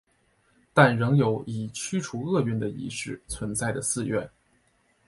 但仍有以驱除恶运的仪式存在的寺院。